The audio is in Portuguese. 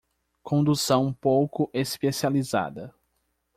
Condução pouco especializada